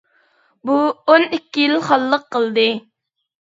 بۇ ئون ئىككى يىل خانلىق قىلدى.